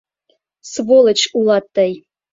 — Сволочь улат тый!